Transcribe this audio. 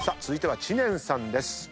続いては知念さんです。